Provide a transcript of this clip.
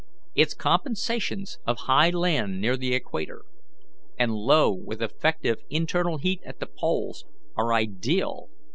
Its compensations of high land near the equator, and low with effective internal heat at the poles, are ideal.